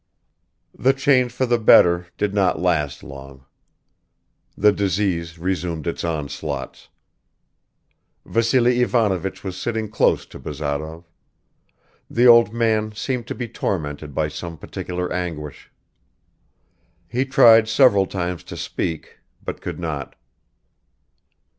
The change for the better did not last long. The disease resumed its onslaughts. Vassily Ivanovich was sitting close to Bazarov. The old man seemed to be tormented by some particular anguish. He tried several times to speak but could not.